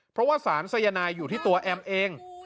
เพราะว่าสารสายนายอยู่ที่ตัวแอมเอง